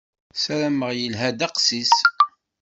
Sarameɣ yelha ddeqs-is.